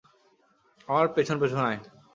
আমার পেছন পেছন আয়!